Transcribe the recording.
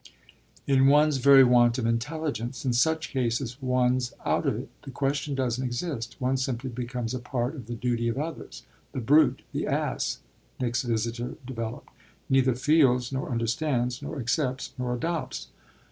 "In one's very want of intelligence. In such cases one's out of it the question doesn't exist; one simply becomes a part of the duty of others. The brute, the ass," Nick's visitor developed, "neither feels nor understands, nor accepts nor adopts.